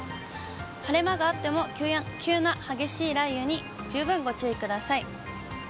晴れ間があっても、急な激しい雷雨に十分ご注意ください。